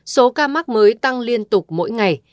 số ca mắc mới tăng liên tục mỗi ngày